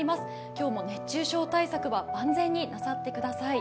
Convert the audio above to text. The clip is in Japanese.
今日も熱中症対策は万全になさってください。